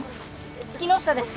木下です！